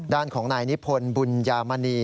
ด้านของนายนิพนธ์บุญยามณี